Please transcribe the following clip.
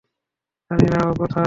জানি না ও কোথায় আছে।